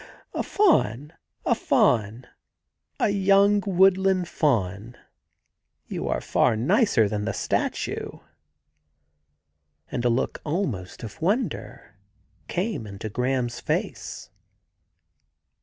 ... A Faun! A Faun! A young wood land Faun! ... You are far nicer than the statue.' And a look almost of wonder came into Graham's face.